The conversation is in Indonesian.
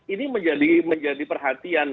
ini menjadi perhatian